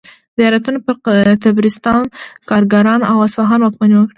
زیاریانو پر طبرستان، ګرګان او اصفهان واکمني وکړه.